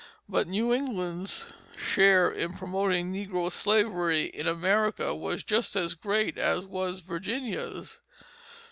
But New England's share in promoting negro slavery in America was just as great as was Virginia's.